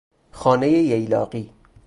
خانهٔ ییلاقی